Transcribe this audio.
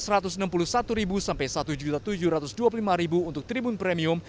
rp satu ratus enam puluh satu sampai rp satu tujuh ratus dua puluh lima untuk tribun premium